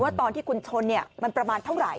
ตอนที่คุณชนมันประมาณเท่าไหร่